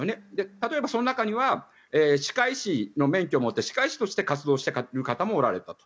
例えばその中には歯科医師の免許を持って歯科医師として活動している方もおられたと。